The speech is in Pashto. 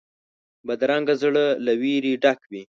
بدرنګه زړه له وېرې ډک وي